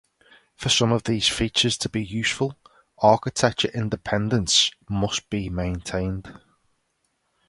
For some of these features to be useful, architecture independence must be maintained.